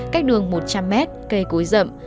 cách đường một trăm linh mét cây cối rậm